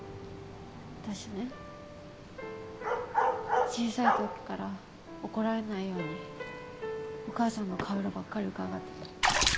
私ね小さい時から怒られないようにお母さんの顔色ばっかりうかがってた。